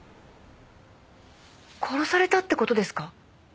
殺されたって事ですか？